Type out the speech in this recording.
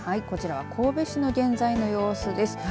こちらは神戸市の現在の様子です。